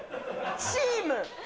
チーム！